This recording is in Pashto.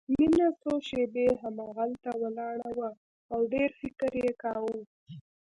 مينه څو شېبې همهغلته ولاړه وه او ډېر فکر يې کاوه.